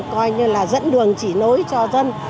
coi như là dẫn đường chỉ nối cho dân